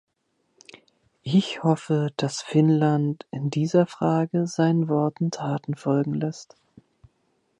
Ich hoffe, dass Finnland in dieser Frage seinen Worten Taten folgen lässt.